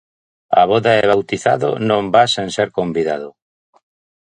A voda e bautizado non vas sen ser convidado.